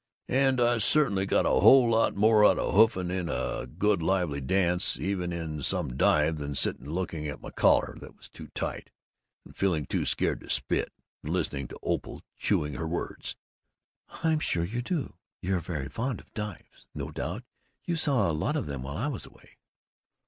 And I'd certainly get a whole lot more out of hoofing it in a good lively dance, even in some dive, than sitting looking as if my collar was too tight, and feeling too scared to spit, and listening to Opal chewing her words." "I'm sure you do! You're very fond of dives. No doubt you saw a lot of them while I was away!"